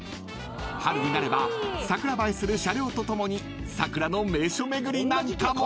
［春になれば桜映えする車両と共に桜の名所巡りなんかも］